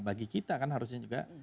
bagi kita harusnya juga